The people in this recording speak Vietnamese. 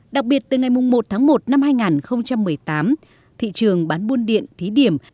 đặc biệt từ ngày một tháng một năm hai nghìn một mươi tám thị trường bán buôn điện thí điểm